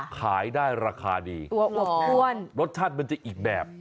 ขายได้ราคาดีตัวอบอ้วนรสชาติมันจะอีกแบบ